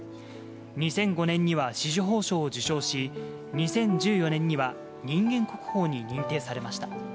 ２００５年には紫綬褒章を受章し、２０１４年には人間国宝に認定されました。